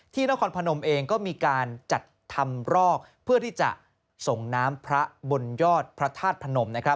ที่นครพนมเองก็มีการจัดทำรอกเพื่อที่จะส่งน้ำพระบ่นยอดพระทาสพนม